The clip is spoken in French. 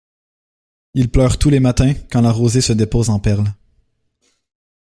Il pleure tous les matins quand la rosée se dépose en perles.